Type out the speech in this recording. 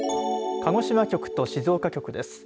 鹿児島局と静岡局です。